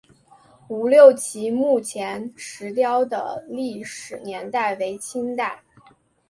吴六奇墓前石雕的历史年代为清代。